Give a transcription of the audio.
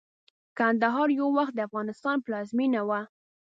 کندهار يٶوخت دافغانستان پلازمينه وه